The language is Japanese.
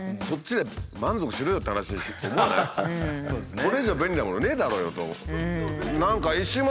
これ以上便利なものねえだろうよと。